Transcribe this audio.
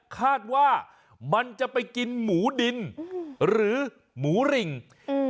คาดว่ามันจะไปกินหมูดินอืมหรือหมูริงอืม